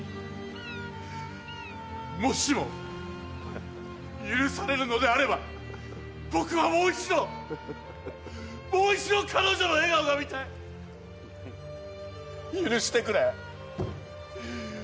もしも許されるのであれば僕はもう一度もう一度彼女の笑顔が見たい許してくれ許してくれ！